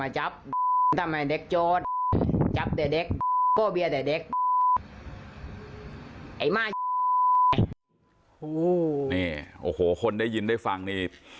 จับเต๊ะเด็กโม้เเบียร์เต๊ะเด็กไอ้ม่าโหเนี้ยโอ้โหคนได้ยินได้ฟังนี่